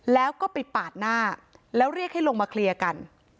แล้วก็ไปปาดหน้าแล้วเรียกให้ลงมาเคลียร์กัน